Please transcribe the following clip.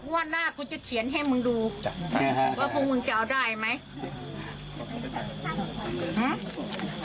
ว่าหน้ากูจะเขียนให้มึงดูใช่ฮะว่าพวกมึงจะเอาได้ไหม